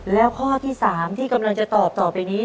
แล้วข้อที่๓ที่กำลังจะตอบต่อไปนี้